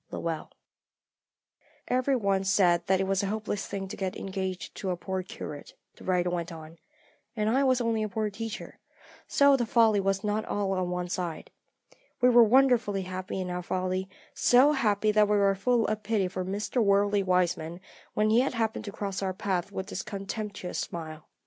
LOWELL. "Every one said that it was a hopeless thing to get engaged to a poor curate," the writer went on, "and I was only a poor teacher, so the folly was not all on one side. We were wonderfully happy in our folly, so happy that we were full of pity for Mr. Worldly Wiseman when he happened to cross our path with his contemptuous smile.